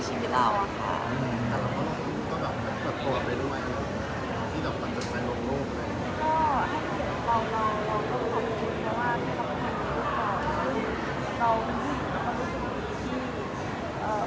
ทีนี้ก็ดูแลกว่างตรงนี้และสร้างความสุขเรียบหลังตลอด